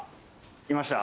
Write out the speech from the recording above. いました。